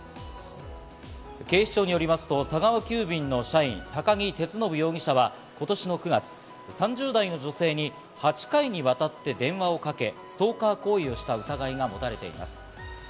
警視庁によりますと佐川急便の社員、都木徹信容疑者は今年９月、３０代の女性に８回にわたって電話をかけ、ストーカー行為をした疑いが持たれています。